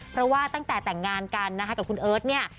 เพราะว่าตั้งแต่แต่งงานกันนะคะกับคุณเอิร์ทเนี่ย